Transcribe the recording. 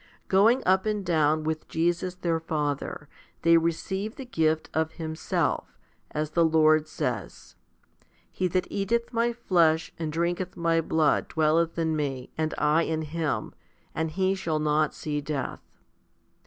Going up and down with Jesus their Father, they receive the gift of Himself, as the Lord says, He that eateth My flesh and drinketh My blood dwelleth in Me, and I in him, and he shall not see death.